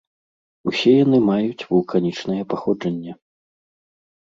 Усе яны маюць вулканічнае паходжанне.